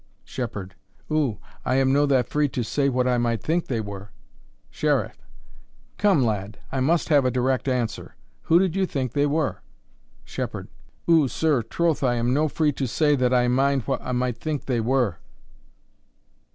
Shepherd. Ou, I am no that free to say what I might think they were. Sheriff. Come, lad, I must have a direct answer who did you think they were? Shepherd. Ou, sir, troth I am no that free to say that I mind wha I might think they were.